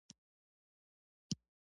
دوی ځایی خلک له یوې سیمې بلې ته وړي